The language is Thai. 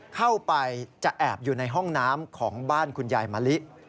เข้าไปจะแอบอยู่ในห้องน้ำของบ้านคุณยายมะลิ